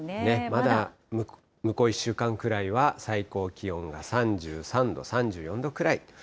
まだ向こう１週間くらいは、最高気温が３３度、３４度くらい。